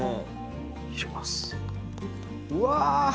うわ！